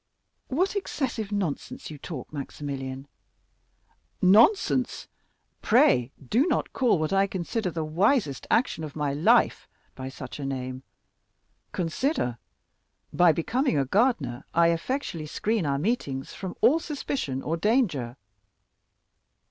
"What excessive nonsense you talk, Maximilian!" "Nonsense? Pray do not call what I consider the wisest action of my life by such a name. Consider, by becoming a gardener I effectually screen our meetings from all suspicion or danger."